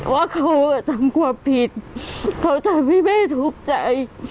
ว่าเขาทำความผิดเขาทำให้แม่ทุกข์ใจ